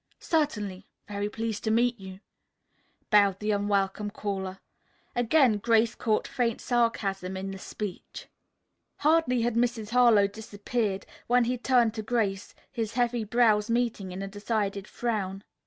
"Certainly. Very pleased to have met you," bowed the unwelcome caller. Again Grace caught faint sarcasm in the speech. Hardly had Mrs. Harlowe disappeared when he turned to Grace, his heavy brows meeting in a decided frown.